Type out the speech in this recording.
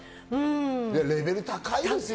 レベル高いですよ。